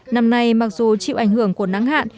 năm nay mặc dù chịu ảnh hưởng của nắng hạn